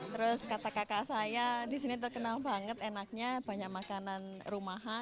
terus kata kakak saya di sini terkenal banget enaknya banyak makanan rumah